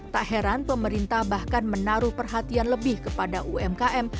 tak heran pemerintah bahkan menaruh perhatian lebih kepada umkm